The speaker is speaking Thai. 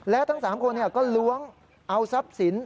และทั้ง๓คนก็ล้วงเอาทรัพย์สิน